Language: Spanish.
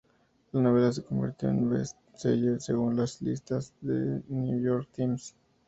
La novela se convirtió en best seller según las listas del "New York Times".